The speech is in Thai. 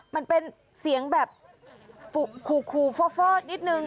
มันเป็นเสียงแบบขู่ฟอดนิดนึง